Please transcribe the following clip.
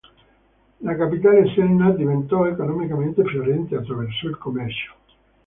La capitale Sennar diventò economicamente fiorente attraverso il commercio.